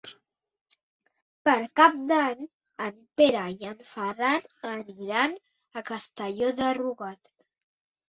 Per Cap d'Any en Pere i en Ferran aniran a Castelló de Rugat.